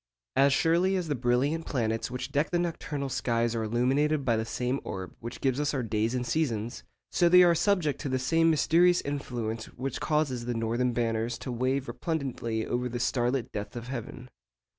As surely as the brilliant planets which deck the nocturnal skies are illuminated by the same orb which gives us our days and seasons, so they are subject to the same mysterious influence which causes the northern banners to wave resplendently over the star lit depths of heaven.